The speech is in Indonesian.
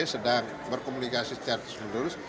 sedang berkomunikasi secara sepenuhnya